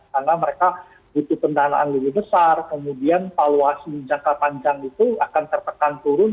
karena mereka butuh pendanaan lebih besar kemudian valuasi jangka panjang itu akan tertekan turun